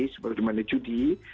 seperti mana judi